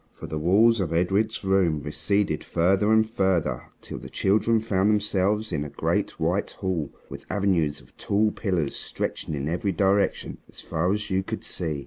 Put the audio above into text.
For the walls of Edred's room receded further and further, till the children found themselves in a great white hall with avenues of tall pillars stretching in every direction as far as you could see.